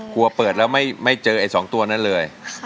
เปิดแล้วไม่เจอไอ้๒ตัวนั้นเลย